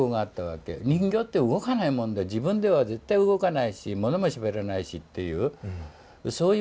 人形って動かないもんで自分では絶対動かないしものもしゃべれないしっていうそういう世界が人形だっていう意識が強かったから。